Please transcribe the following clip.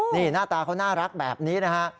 นี่หน้าตาเขาน่ารักแบบนี้นะฮะ